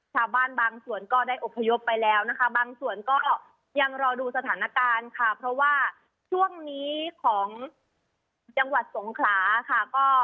ชาวบ้านบางส่วนก็ได้อพยพไปแล้วนะคะบางส่วนก็ยังรอดูสถานการณ์ค่ะ